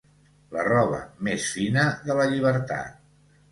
La roba més fina de la llibertat.